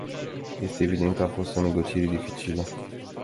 Este evident că a fost o negociere dificilă.